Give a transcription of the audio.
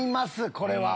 これは。